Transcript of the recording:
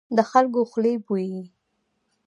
د خلکو خولې بويي.